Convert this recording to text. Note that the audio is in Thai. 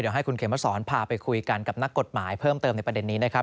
เดี๋ยวให้คุณเขมสอนพาไปคุยกันกับนักกฎหมายเพิ่มเติมในประเด็นนี้นะครับ